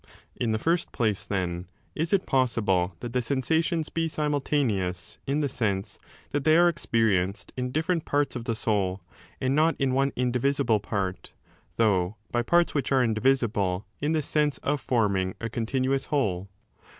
In the first place, then, 21 is it possible that the sensations be simultaneous in the sense that they are experienced in different parts of the soul, and not in one indivisible part, though by parts which are indivisible in the sense of forming a continuous whole?